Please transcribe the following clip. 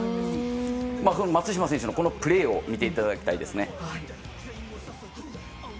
松島選手の、このプレーを見ていただきたいですね。